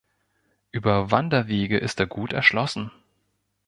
Über Wanderwege ist er gut erschlossen.